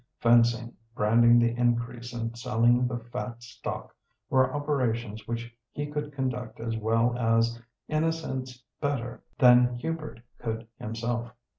Fencing, branding the increase and selling the fat stock, were operations which he could conduct as well as—in a sense better—than Hubert could himself.